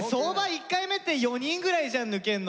１回目って４人ぐらいじゃん抜けんの。